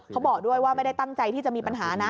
เขาบอกด้วยว่าไม่ได้ตั้งใจที่จะมีปัญหานะ